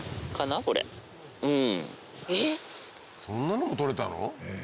そんなのも撮れたの？